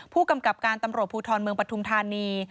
ผู้กำกับการตำรวจภูทรเมืองปฐุมธานี